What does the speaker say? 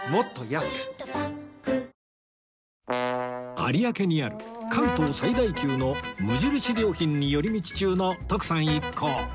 有明にある関東最大級の無印良品に寄り道中の徳さん一行